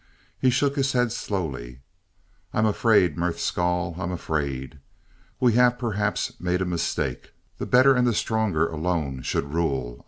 He shook his head slowly. "I'm afraid, Merth Skahl. I am afraid. We have, perhaps, made a mistake. The better and the stronger alone should rule.